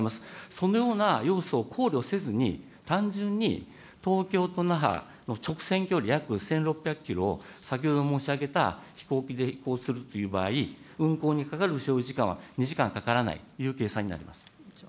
そのような要素を考慮せずに、単純に東京と那覇の直線距離約１６００キロを、先ほど申し上げた飛行機で飛行するという場合、運航にかかる飛行時間は２時間かからないという計算になります。